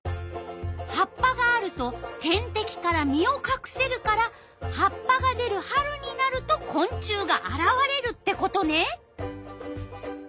葉っぱがあると天敵から身をかくせるから葉っぱが出る春になるとこん虫があらわれるってことね！